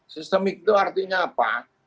sistemik itu artinya apa